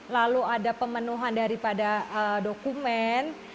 lalu ada pemenuhan daripada dokumen